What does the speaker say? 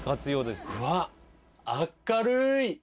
うわ明るい。